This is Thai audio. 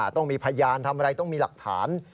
ต้องมีพยานทำอะไรต้องมีหลักฐาน